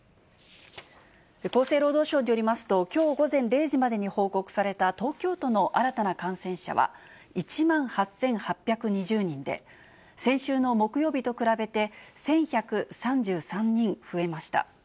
厚生労働省によりますと、きょう午前０時までに報告された東京都の新たな感染者は、１万８８２０人で、先週の木曜日と比べて１１３３人増えました。